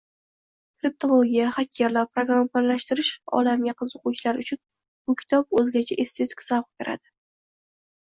Kriptologiya, xakerlar, programmalashtirish olamiga qiziquvchilar uchun bu kitob oʻzgacha estetik zavq beradi.